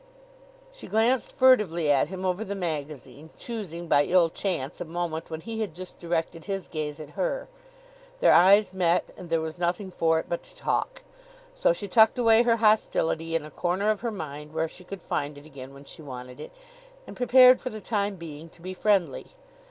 She glanced furtively at him over the magazine, choosing by ill chance a moment when he had just directed his gaze at her. Their eyes met and there was nothing for it but to talk; so she tucked away her hostility in a corner of her mind, where she could find it again when she wanted it, and prepared for the time being to be friendly.